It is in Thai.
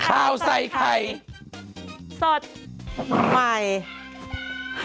ข้าวใส่ไข่สดใหม่ให้เยอะ